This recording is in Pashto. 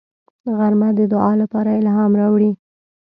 غرمه د دعا لپاره الهام راوړي